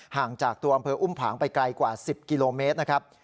ห่างจากตัวอำเภออุ้มผางไปไกลกว่า๑๐กิโลเมตรนะครับ